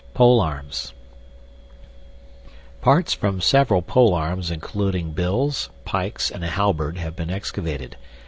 POLEARMS Parts from several polearms, including bills, pikes, and a halberd, have been excavated.